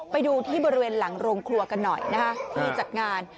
ไปดูที่บริเวณหลังโรงครัวกันหน่อยนะฮะที่จัดงาน